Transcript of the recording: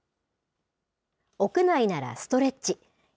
屋内ならストレッチ。